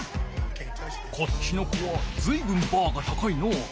こっちの子はずいぶんバーが高いのう。